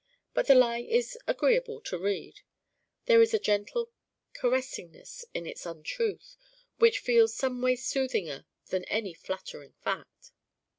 But the lie is agreeable to read. There is a gentle caressingness in its untruth which feels someway soothinger than any flattering fact.